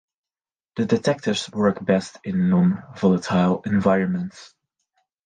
The detectors work best in non-volatile environments.